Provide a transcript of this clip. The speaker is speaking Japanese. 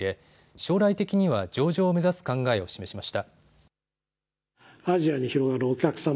将来的には上場を目指す考えを示しました。